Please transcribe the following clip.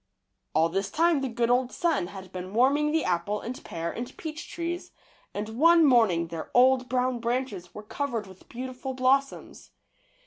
All this time the good old sun had been warming the apple and pear and peach trees, and one morning their old brown branches were covered with beautiful blossoms.